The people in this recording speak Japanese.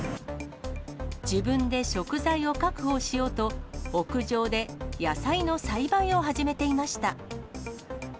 自分で食材を確保しようと、屋上で野菜の栽培を始めていました。